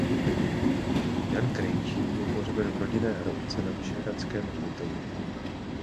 Jan Krejčí je pohřben v rodinné hrobce na Vyšehradském hřbitově.